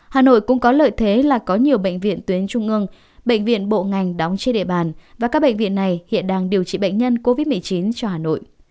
hà nội cũng có lợi thế là có nhiều bệnh viện tuyến trung ương bệnh viện bộ ngành đóng trên địa bàn và các bệnh viện này hiện đang điều trị bệnh nhân covid một mươi chín cho hà nội